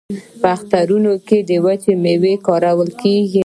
په اخترونو کې وچې میوې کارول کیږي.